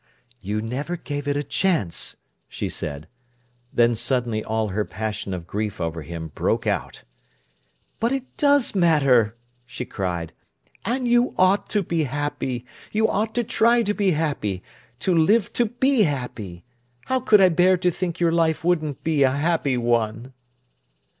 "You never give it a chance," she said. Then suddenly all her passion of grief over him broke out. "But it does matter!" she cried. "And you ought to be happy, you ought to try to be happy, to live to be happy. How could I bear to think your life wouldn't be a happy one!"